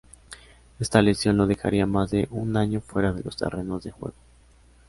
Esta lesión lo dejaría más de un año fuera de los terrenos de juego.